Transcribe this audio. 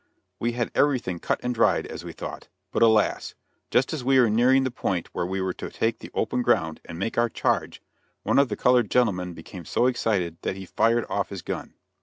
We had everything "cut and dried," as we thought, but, alas! just as we were nearing the point where we were to take the open ground and make our charge, one of the colored gentlemen became so excited that he fired off his gun.